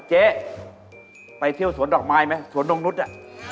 เจ๊ไปเที่ยวสวนดอกไม้ไหมสวนนงนุษย์